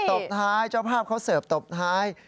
ตบท้ายเจ้าภาพเขาเสิร์ฟตบท้าย